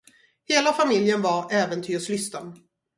Hela familjen var äventyrslysten.